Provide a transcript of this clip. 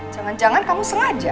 jangan jangan kamu sengaja